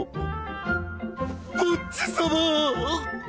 ボッジ様！